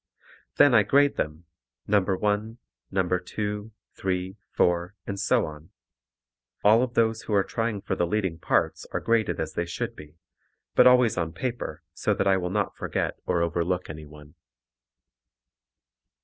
Then I grade them, number 1, number 2, 3, 4 and so on. All of those who are trying for the leading parts are graded as they should be, but always on paper so that I will not forget or overlook anyone.